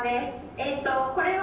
ええとこれは。